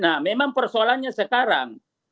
nah memang persoalannya sekarang